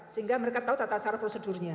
sehingga mereka tahu tata cara prosedurnya